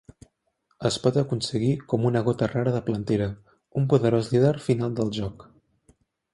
Es pot aconseguir com una gota rara de Plantera, un poderós líder final del joc.